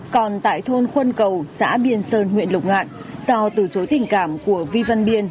còn tại thôn khuân cầu xã biên sơn huyện lục ngạn do từ chối tình cảm của vi văn biên